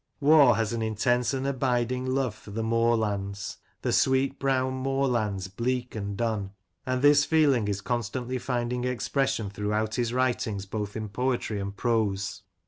Waugh has an intense and abiding love for the moorlands. The sweet brown moorlands bleak and dun, and this feeling is constantly finding expression throughout his writings both in poetry and prose.